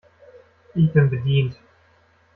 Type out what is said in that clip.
Ich bin bedient.